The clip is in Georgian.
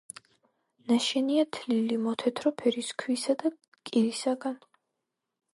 ნაშენია თლილი მოთეთრო ფერის ქვისა და კირისაგან.